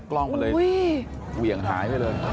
กล้องมันเลยเหวี่ยงหายไปเลย